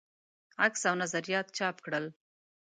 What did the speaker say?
عکس او نظریات چاپ کړل.